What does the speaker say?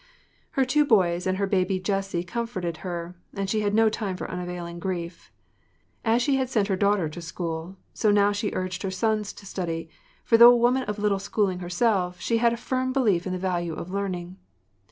Her two boys and her baby Jessie comforted her and she had no time for unavailing grief. As she had sent her daughter to school, so now she urged her sons to study, for though a woman of little schooling herself she had a firm belief in the value of learning.